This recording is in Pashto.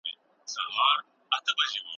د وچو مېوو تجارت ولې په پخوانیو وختونو کي مهم و؟